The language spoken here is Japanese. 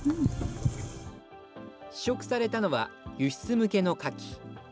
試食されたのは、輸出向けのカキ。